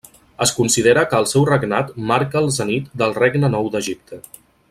Es considera que el seu regnat marca el zenit del Regne Nou d'Egipte.